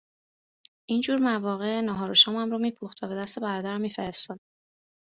اینجور مواقع ناهار و شامم را میپخت و به دست برادرم میفرستاد